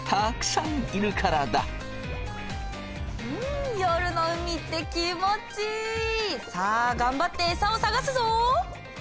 ん夜の海って気持ちいい！さあ頑張ってエサを探すぞ！